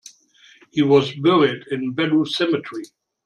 He was buried in Bellu Cemetery.